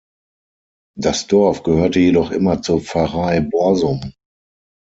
Das Dorf gehörte jedoch immer zur Pfarrei Borsum.